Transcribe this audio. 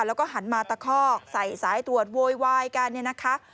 แล้วก็หันมาตะคอกใส่สายตรวจโวยวายกันเนี่ยนะคะ